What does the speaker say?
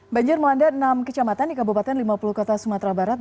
banjir melanda enam kecamatan di kabupaten lima puluh kota sumatera barat